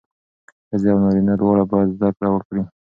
ښځې او نارینه دواړه باید زدهکړه وکړي.